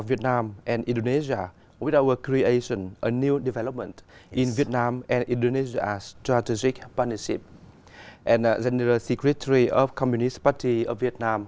việt nam và indonesia cũng phát triển những kỹ thuật hợp tác để đối xử với tổ chức giá trị biên giới của một mươi triệu usd năm hai nghìn hai mươi